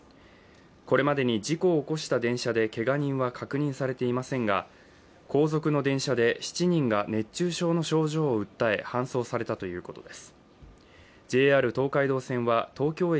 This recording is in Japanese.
これまでに事故を起こした電車でけが人は確認されていませんが後続の電車で７人が熱中症の症状を訴え搬送されたということです。